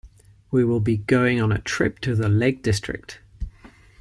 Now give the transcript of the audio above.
We will be going on a trip to the lake district.